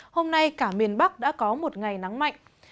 hôm nay cả miền bắc đã có một ngày nắng mạnh